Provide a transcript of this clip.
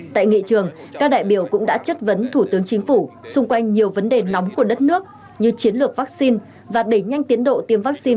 tại nghị trường các đại biểu cũng đã chất vấn thủ tướng chính phủ xung quanh nhiều vấn đề nóng của đất nước như chiến lược vaccine và đẩy nhanh tiến độ tiêm vaccine